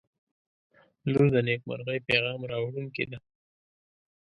• لور د نیکمرغۍ پیغام راوړونکې ده.